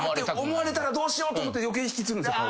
思われたらどうしようと思って余計引きつるんですよ